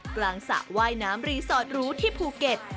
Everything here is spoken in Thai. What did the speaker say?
สระว่ายน้ำรีสอร์ตรู้ที่ภูเก็ต